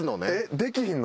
できひんの？